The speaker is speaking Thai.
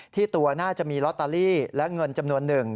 ที่ตัวน่าจะมีลอตเตอรี่และเงินจำนวนหนึ่ง